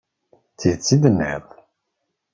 D tidet i d-tenniḍ.